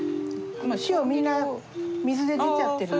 塩みんな水で出ちゃってるもん。